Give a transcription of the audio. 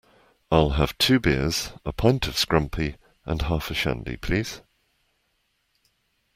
I'll have two beers, a pint of scrumpy and half a shandy please